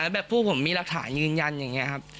แบบพวกผมมีหลักฐานยืนยันอย่างนี้ครับ